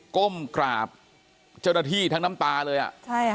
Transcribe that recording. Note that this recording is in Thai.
ก้มกราบเจ้าหน้าที่ทั้งน้ำตาเลยอ่ะใช่ค่ะ